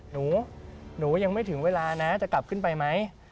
หนูหนูยังไม่ถึงเวลานะจะกลับขึ้นไปไหม